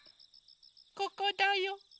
・ここだよ。